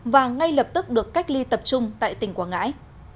và ngay lập tức được cách ly tập trung tại tỉnh quảng ngãi